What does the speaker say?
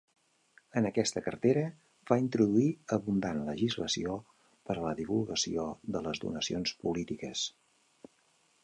En aquesta cartera va introduir abundant legislació per a la divulgació de les donacions polítiques.